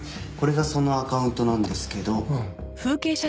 これがそのアカウントなんですけど。